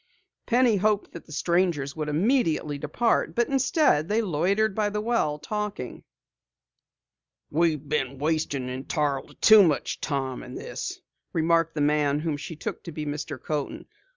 Penny hoped that the strangers would immediately depart, but instead they loitered by the well, talking. "We've been wasting entirely too much time in this," remarked the man whom she took to be Mr. Coaten.